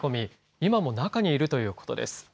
今も中にいるということです。